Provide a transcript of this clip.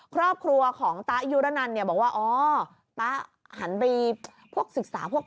ครอบครัวของต๊ายุรนันท์บอกว่าอ๋อป๊าหันไปศึกษาพวก